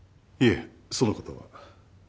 いえそのことは。